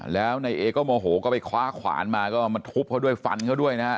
แล้วนายเอก็โมโหก็ไปคว้าขวานมาก็มาทุบเขาด้วยฟันเขาด้วยนะฮะ